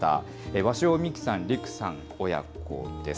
鷲尾美紀さん、理來さん親子です。